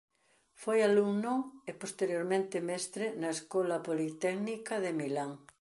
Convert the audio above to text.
Foi alumno e posteriormente mestre na Escola Politécnica de Milán.